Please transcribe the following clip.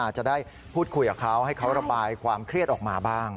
จะได้พูดคุยกับเขาให้เขาระบายความเครียดออกมาบ้าง